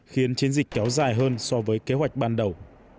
khiến chiến dịch kéo dài hơn so với kế hoạch ban đầu